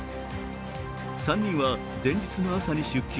３人は前日の朝に出勤。